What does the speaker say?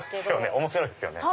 面白いですよね。